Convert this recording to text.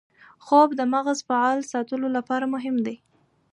خوب د مغز فعال ساتلو لپاره مهم دی